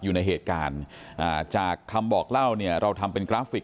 อยู่ในเหตุการณ์อ่าจากคำบอกเล่าเนี่ยเราทำเป็นกราฟิก